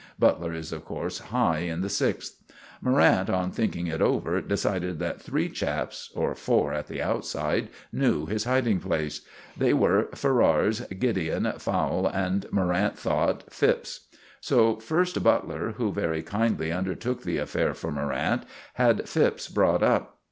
Butler is, of course, high in the Sixth. Morrant, on thinking it over, decided that three chaps, or four at the outside, knew his hiding place. They were Ferrars, Gideon, Fowle, and, Morrant thought, Phipps. So first Butler, who very kindly undertook the affair for Morrant, had Phipps brought up.